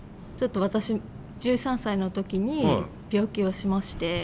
ちょっと私１３歳の時に病気をしまして。